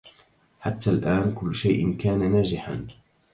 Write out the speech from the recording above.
حتى الآن، كل شيء كان ناجحا.